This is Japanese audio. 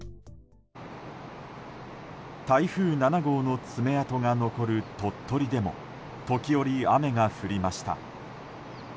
台風７号の爪痕が残る鳥取でも時折雨が降りました。